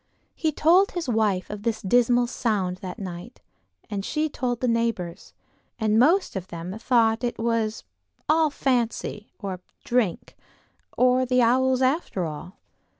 He told his wife of this dismal sound that night, and she told the neighbors, and most of them thought that it was "all fancy"—or drink, or the owls after all.